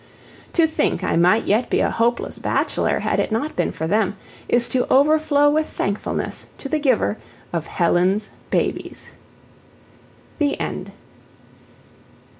To think I might yet be a hopeless bachelor had it not been for them, is to overflow with thankfulness to the giver of HELEN'S BABIES. THE END.